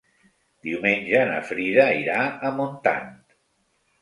Diumenge na Frida irà a Montant.